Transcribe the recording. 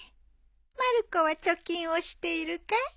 まる子は貯金をしているかい？